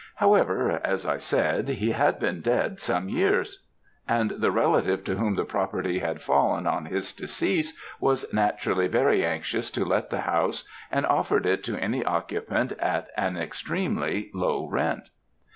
However, as I said, he had been dead some years, and the relative to whom the property had fallen on his decease was naturally very anxious to let the house, and offered it to any occupant at an extremely low rent.